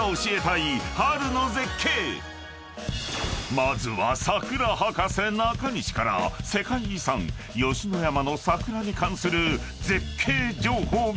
［まずは桜博士中西から世界遺産吉野山の桜に関する絶景情報が］